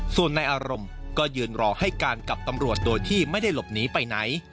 ส่วนในอารมณ์ก็ยืนรอให้การกับตำรวจโดยที่ไม่ได้หลบหนีไปไหน